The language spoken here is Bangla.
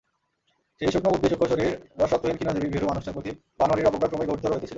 সেই সূক্ষ্ণবুদ্ধি সূক্ষ্ণশরীর রসরক্তহীন ক্ষীণজীবী ভীরু মানুষটার প্রতি বনোয়ারির অবজ্ঞা ক্রমেই গভীরতর হইতেছিল।